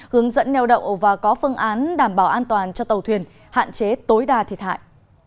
hướng dẫn neo đậu và có phương án đảm bảo an toàn cho tàu thuyền hạn chế tối đa thiệt hại